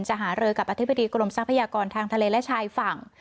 หารือกับอธิบดีกรมทรัพยากรทางทะเลและชายฝั่ง